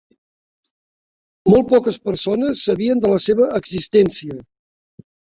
Molt poques persones sabien de la seva existència.